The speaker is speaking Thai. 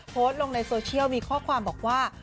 โพสต์ลงในโซเชียลมีข้อความบอกว่า